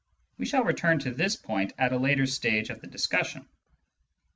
We shall return to this point at a later stage of the discussion.